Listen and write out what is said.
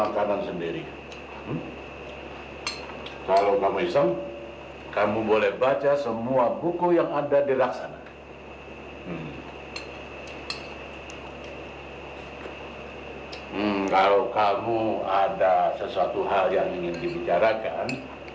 kalau kamu ada sesuatu hal yang ingin dibicarakan